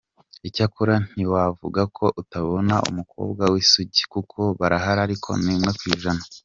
Icyakora ntiwavuga ko utabona umukobwa w’isugi kuko barahari ariko ni umwe ku ijana.